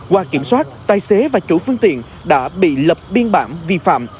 qua kiểm soát tài xế và chủ phương tiện đã bị lập biên bản vi phạm